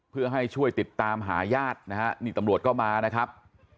เพื่อให้ช่วยติดตามหาญาตินะฮะนี่ตำรวจก็มานะครับ